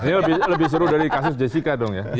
ini lebih seru dari kasus jessica dong ya